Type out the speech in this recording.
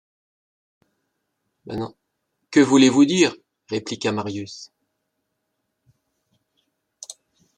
Que voulez-vous dire? répliqua Marius.